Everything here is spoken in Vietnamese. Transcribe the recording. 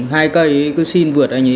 hai cây cứ xin vượt anh ấy